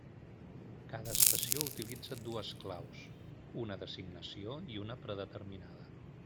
Cada estació utilitza dues claus: una d'assignació i una predeterminada.